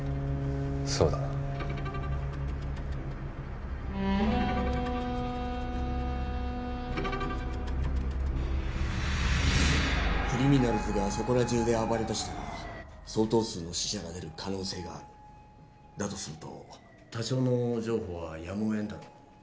そうだなクリミナルズがそこら中で暴れだしたら相当数の死者が出る可能性があるだとすると多少の譲歩はやむを得んだろう